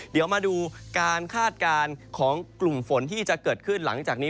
เดี๋ยวมาดูการคาดการณ์ของกลุ่มฝนที่จะเกิดขึ้นหลังจากนี้